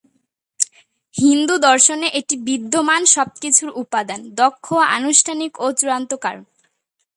হিন্দু দর্শনে, এটি বিদ্যমান সবকিছুর উপাদান, দক্ষ, আনুষ্ঠানিক ও চূড়ান্ত কারণ।